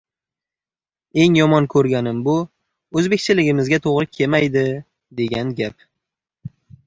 Eng yomon koʻrganim bu “oʻzbekchiligimizga toʻgʻri kemaydi” degan gap.